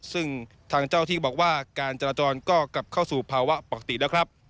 ซึ่งทางเจ้าที่บอกว่าการจราจรก็กลับเข้าสู่ภาวะปกติแล้วครับ